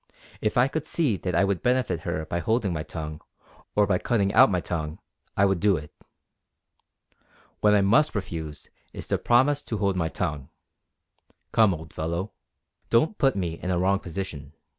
If I could see that I would benefit her by holding my tongue, or by cutting out my tongue, I would do it. What I must refuse is to promise to hold my tongue. Come, old fellow, don't put me in a wrong position.